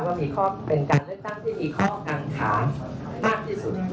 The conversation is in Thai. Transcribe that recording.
ว่ามีข้อเป็นการเลือกตั้งที่มีข้อกังขามากที่สุด